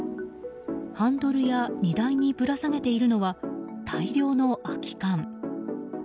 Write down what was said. ハンドルや荷台にぶら下げているのは大量の空き缶。